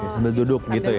sambil duduk gitu ya